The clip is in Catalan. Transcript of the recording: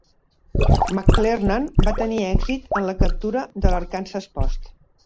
McClernand va tenir èxit en la captura de l'Arkansas Post.